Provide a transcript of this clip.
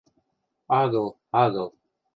– Агыл, агыл...